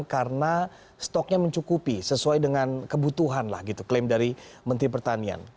karena stoknya mencukupi sesuai dengan kebutuhan lah gitu klaim dari menteri pertanian